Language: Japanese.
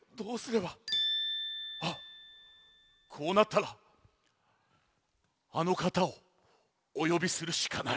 あっこうなったらあのかたをおよびするしかない！